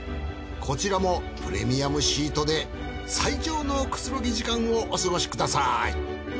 こちらもプレミアムシートで最上のくつろぎ時間をお過ごしください。